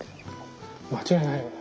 間違いないよね。